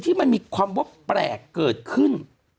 ที่มันมีความว่าแปลกเกิดขึ้น